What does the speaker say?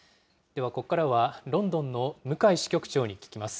ではここからはロンドンの向井支局長に聞きます。